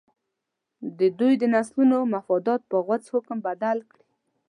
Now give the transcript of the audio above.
د دوی د نسلونو مفادات په غوڅ حکم بدل کړي.